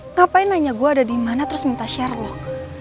ngapain nanya gue ada dimana terus minta sherlock